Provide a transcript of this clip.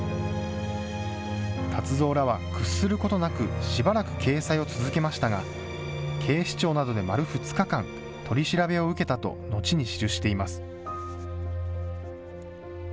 達三らは屈することなく、しばらく掲載を続けましたが、警視庁などで丸２日間、取り調べを受けたと後に記しています。